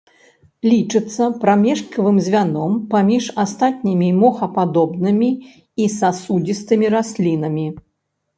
Лічыцца прамежкавым звяном паміж астатнімі мохападобнымі і сасудзістымі раслінамі.